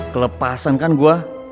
kelepasan kan gue